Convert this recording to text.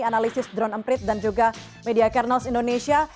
analisis drone emprit dan juga media kernels indonesia